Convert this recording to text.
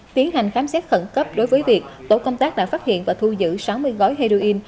tiến hành khám xét khẩn cấp đối với việc tổ công tác đã phát hiện và thu giữ sáu mươi gói heroin